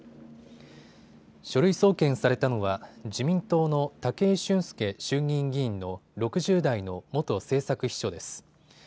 書類送検されたのは自民党の武井俊輔衆議院議員の６０代の元政策秘書です。